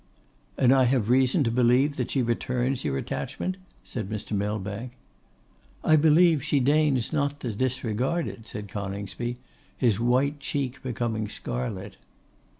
'And I have reason to believe that she returns your attachment?' said Mr. Millbank. 'I believe she deigns not to disregard it,' said Coningsby, his white cheek becoming scarlet.